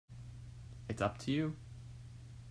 It's up to you.